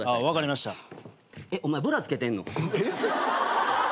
分かりました。